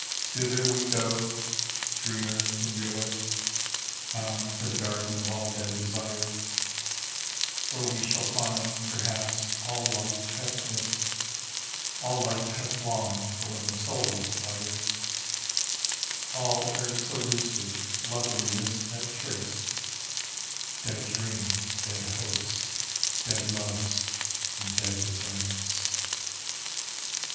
Thither we go, dreamer and realist, Bound for the Garden of all Dead Desires, Where we shall find, perhaps, all Life hath missed, All Life hath longed for when the soul aspires, All Earth's elusive loveliness at tryst Dead dreams, dead hopes, dead loves, and dead desires.